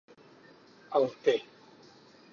El t